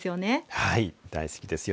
はい、大好きですよ